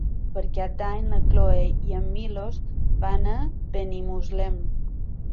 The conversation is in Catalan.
Per Cap d'Any na Cloè i en Milos van a Benimuslem.